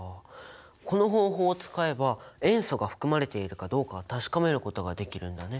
この方法を使えば塩素が含まれているかどうか確かめることができるんだね。